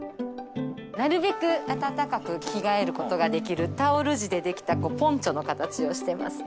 なるべく温かく着替えることができるタオル地でできたポンチョの形をしてますね。